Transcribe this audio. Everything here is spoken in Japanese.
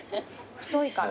太いから。